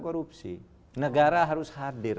korupsi negara harus hadir